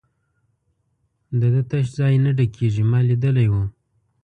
د ده تش ځای نه ډکېږي، ما لیدلی وو.